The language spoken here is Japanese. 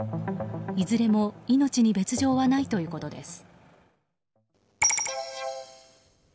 いずれも命に別条はないということです。